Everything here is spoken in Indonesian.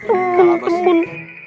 kalah bos kita kan temen